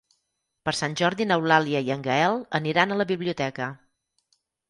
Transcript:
Per Sant Jordi n'Eulàlia i en Gaël aniran a la biblioteca.